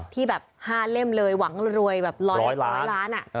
ที่แบบ๕เล่มเลยหวังรวยแบบ๑๐๐ล้าน